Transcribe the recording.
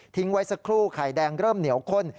ไว้สักครู่ไข่แดงเริ่มเหนียวข้น